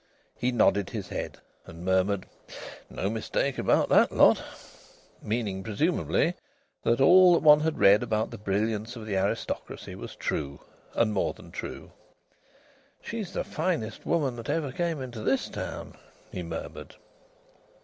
He nodded his head and murmured, "No mistake about that lot!" Meaning, presumably, that all that one had read about the brilliance of the aristocracy was true, and more than true. "She's the finest woman that ever came into this town," he murmured.